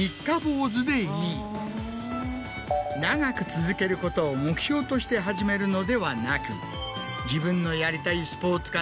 長く続けることを目標として始めるのではなく自分の。